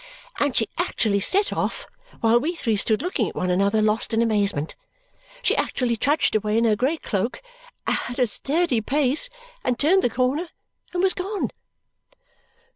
And she actually set off while we three stood looking at one another lost in amazement. She actually trudged away in her grey cloak at a sturdy pace, and turned the corner, and was gone.